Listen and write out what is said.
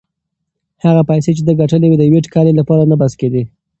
هغه پیسې چې ده ګټلې وې د یوې ټکلې لپاره نه بس کېدې.